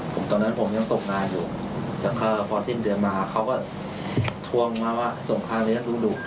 ผมตอนนั้นผมยังตกงานอยู่แต่ก็พอสิ้นเดือนมาเขาก็ทวงมาว่าส่งค่าเลี้ยงลูก